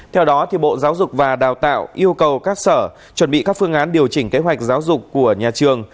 theo đó bộ giáo dục và đào tạo yêu cầu các sở chuẩn bị các phương án điều chỉnh kế hoạch giáo dục của nhà trường